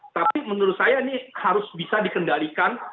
tapi menurut saya ini harus bisa dikendalikan